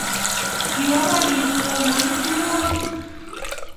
Kiwo Paris kosomanji tienwogik